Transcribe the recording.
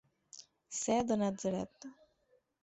Ser de Natzaret.